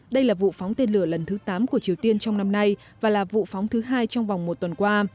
đây là vụ phóng tên lửa lần thứ tám của triều tiên trong năm nay và là vụ phóng thứ hai trong vòng một tuần qua